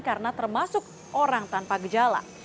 karena termasuk orang tanpa gejala